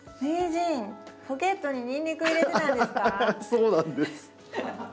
そうなんです。